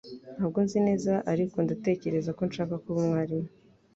Ntabwo nzi neza ariko ndatekereza ko nshaka kuba umwarimu